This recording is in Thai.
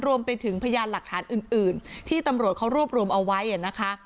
รวมไปถึงพยานหลักฐานอื่นที่ตำรวจเขารวบรวมเอาไว้นะคะ